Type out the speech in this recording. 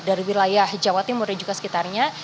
dari wilayah jawa timur dan juga sekitarnya